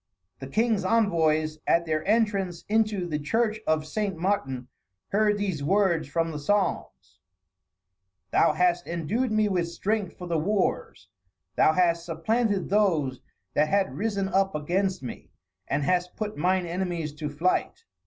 The king's envoys, at their entrance into the church of St. Martin, heard these words from the Psalms: "Thou hast endued me with strength for the wars; thou hast supplanted those that had risen up against me; and hast put mine enemies to flight."